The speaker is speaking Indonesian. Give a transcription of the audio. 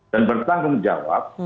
dan bertanggung jawab